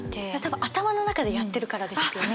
頭の中でやってるからですよね。